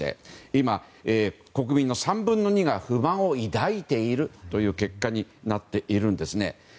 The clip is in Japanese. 今、国民の３分の２が不満を抱いているという結果になっているんですね。